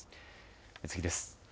次です。